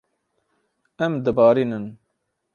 Em dibarînin.